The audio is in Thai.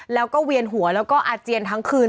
แล้วก็เวียนหัวแล้วก็อาเจียนทั้งคืน